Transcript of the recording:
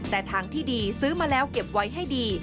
แต่ทางที่ดีซื้อมาแล้วเก็บไว้ให้ดี